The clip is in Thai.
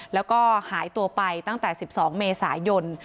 แล้วก็หายตัวไปตั้งแต่๑๒เมษายน